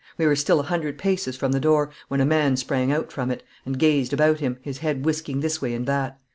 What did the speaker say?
We were still a hundred paces from the door when a man sprang out from it, and gazed about him, his head whisking this way and that.